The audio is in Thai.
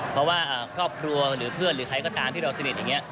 เพราะว่าครอบครัวหรือเพื่อนหรือใครก็ตามที่เราสนิทอย่างนี้